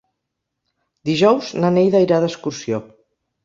Dijous na Neida irà d'excursió.